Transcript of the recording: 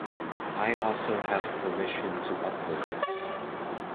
I also have permission to upload it.